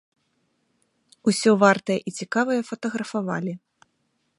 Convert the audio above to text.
Усё вартае і цікавае фатаграфавалі.